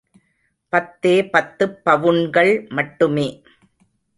பத்தே பத்துப் பவுன்கள் மட்டுமே.